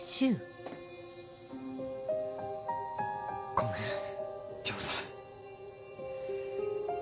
ごめん丈さん。